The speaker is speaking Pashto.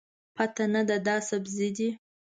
پته نه ده، دا سبزي ده.